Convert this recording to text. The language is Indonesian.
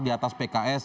di atas pks